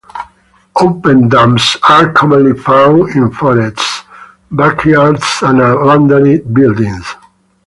Open dumps are commonly found in forests, backyards and abandoned buildings.